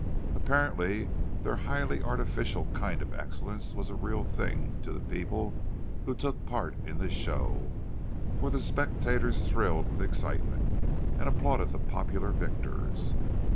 Apparently their highly artificial kind of excellence was a real thing to the people who took part in the show; for the spectators thrilled with excitement, and applauded the popular victors.